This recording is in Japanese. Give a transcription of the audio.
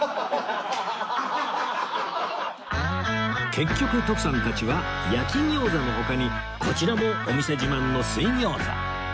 結局徳さんたちは焼き餃子の他にこちらもお店自慢の水餃子